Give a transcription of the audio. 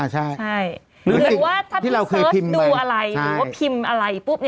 ใช่หรือว่าถ้าพี่เสิร์ชดูอะไรหรือว่าพิมพ์อะไรปุ๊บ